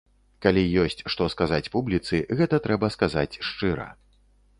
Калі ёсць, што сказаць публіцы, гэта трэба сказаць шчыра.